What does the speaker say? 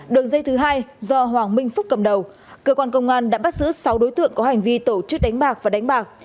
đường dây thứ hai do hoàng minh phúc cầm đầu cơ quan công an đã bắt giữ sáu đối tượng có hành vi tổ chức đánh bạc và đánh bạc